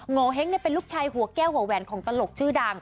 โงเห้งเป็นลูกชายหัวแก้วหัวแหวนของตลกชื่อดัง